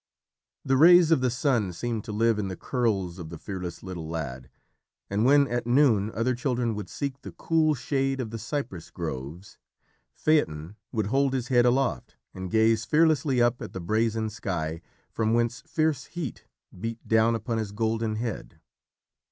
The rays of the sun seemed to live in the curls of the fearless little lad, and when at noon other children would seek the cool shade of the cypress groves, Phaeton would hold his head aloft and gaze fearlessly up at the brazen sky from whence fierce heat beat down upon his golden head.